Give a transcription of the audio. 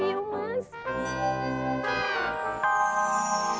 iya betul betul bersedih